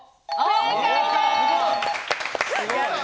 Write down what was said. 正解です。